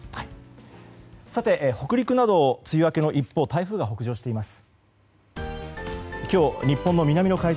さて北陸など梅雨明けの一方台風が北上しています。